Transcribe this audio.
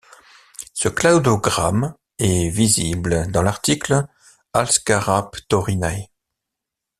Ce cladogramme est visible dans l'article Halszkaraptorinae.